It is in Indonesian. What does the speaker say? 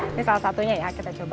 ini salah satunya ya kita coba